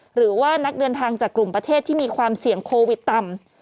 หรือว่านักเดินทางจากกลุ่มประเทศที่มีความเสี่ยงโควิดต่ำ